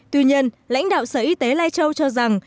tuy nhiên lãnh đạo sở y tế lai châu cho rằng